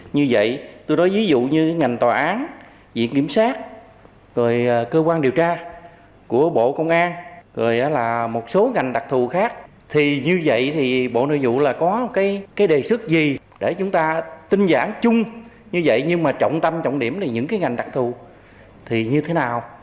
như vậy thì bộ nội dụ là có cái đề xuất gì để chúng ta tinh giản chung như vậy nhưng mà trọng tâm trọng điểm là những cái ngành đặc thù thì như thế nào